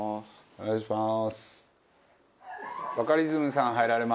お願いします。